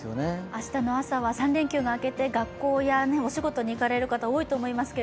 明日の朝は３連休が明けて、学校やお仕事に行かれる方、多いと思いますが。